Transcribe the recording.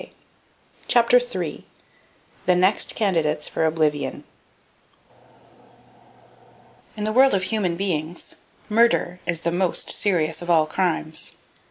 [Page 17] CHAPTER III THE NEXT CANDIDATES FOR OBLIVION In the world of human beings, murder is the most serious of all crimes.